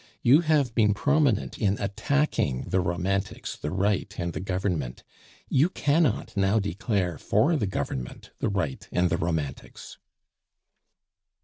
You have been prominent in attacking the Romantics, the Right, and the Government; you cannot now declare for the Government; the Right, and the Romantics."